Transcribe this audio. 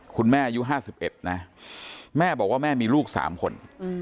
คุณแม่อายุห้าสิบเอ็ดนะแม่บอกว่าแม่มีลูกสามคน